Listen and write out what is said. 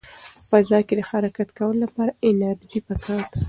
په فضا کې د حرکت کولو لپاره انرژي پکار ده.